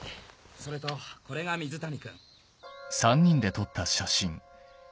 それとこれが水谷君。